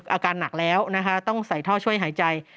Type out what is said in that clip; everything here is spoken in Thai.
อาการหนักแล้วนะคะต้องใส่ท่อช่วยหายใจ